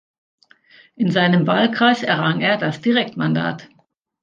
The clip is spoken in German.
In seinem Wahlkreis errang er das Direktmandat.